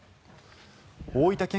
大分県